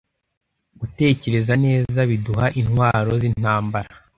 Gutekereza neza biduha "intwaro" z’intambara.